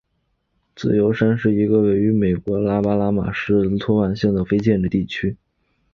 自由山是一个位于美国阿拉巴马州埃托瓦县的非建制地区。